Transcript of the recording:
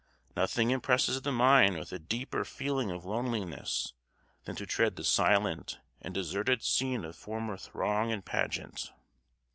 Nothing impresses the mind with a deeper feeling of loneliness than to tread the silent and deserted scene of former throng and pageant.